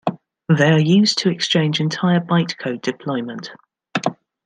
They are used to exchange entire byte-code deployment.